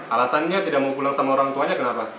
alasannya tidak mau pulang sama orang tuanya kenapa